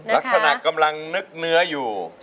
ลักษณะกำลังนึกเนื้ออยู่